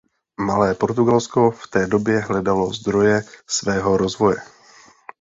Malé Portugalsko v té době hledalo zdroje svého rozvoje.